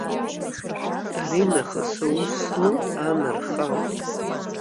Аринахыс аус злоу анарха ауп.